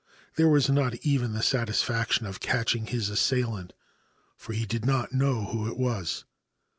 There was not even the satisfaction of catching his assailant, for he did not know who it was.